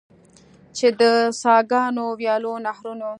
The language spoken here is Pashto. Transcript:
چې د څاګانو، ویالو، نهرونو.